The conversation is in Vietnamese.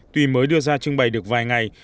tuy mới đưa ra trưng bày được vài ngày